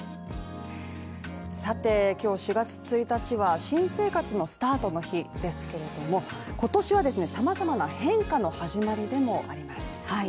今日４月１日は新生活スタートの日ですけれども今年はさまざまな変化の始まりでもあります。